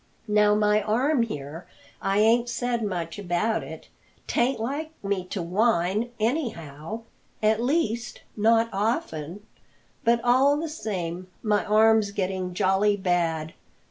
Now, my arm here I ain't said much about it 'tain't like me to whine, anyhow at least not often but all the same, my arm's getting jolly bad.